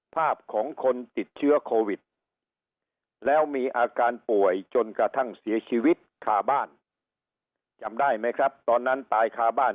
ภาพของคนติดเชื้อโควิดแล้วมีอาการป่วยจนกระทั่งเสียชีวิตข้าบ้าน